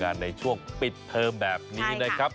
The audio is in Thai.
งานในช่วงปิดแถมแบบนี้นะครับ